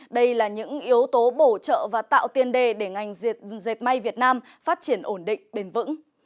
đây là những yếu tố bổ trợ và tạo tiền đề để ngành dệt may việt nam phát triển ổn định bền vững